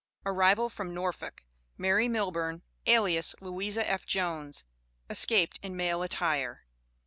ARRIVAL FROM NORFOLK. MARY MILLBURN, alias LOUISA F. JONES, ESCAPED IN MALE ATTIRE.